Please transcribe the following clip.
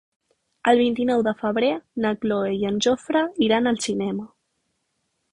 El vint-i-nou de febrer na Cloè i en Jofre iran al cinema.